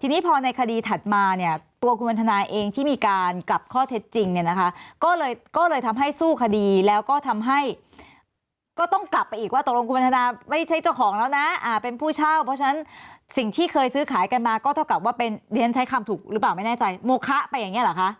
ทีนี้พอในคดีถัดมาเนี่ยตัวคุณวันทนาเองที่มีการกลับข้อเท็จจริงเนี่ยนะคะก็เลยทำให้สู้คดีแล้วก็ทำให้ก็ต้องกลับไปอีกว่าตกลงคุณวันทนาไม่ใช่เจ้าของแล้วนะเป็นผู้เช่าเพราะฉะนั้นสิ่งที่เคยซื้อขายกันมาก็เท่ากับว่าเป็นเรียนใช้คำถูกหรือเปล่าไม่แน่ใจโมคะไปอย่างนี้เหรอคะ